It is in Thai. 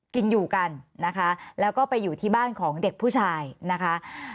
กินอยู่กันนะคะแล้วก็ไปอยู่ที่บ้านของเด็กผู้ชายนะคะ